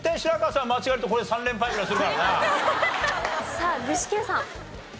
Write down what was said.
さあ具志堅さん。